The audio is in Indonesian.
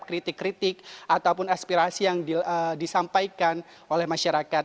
kritik kritik ataupun aspirasi yang disampaikan oleh masyarakat